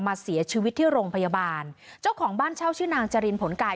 เสียชีวิตที่โรงพยาบาลเจ้าของบ้านเช่าชื่อนางจรินผลกาย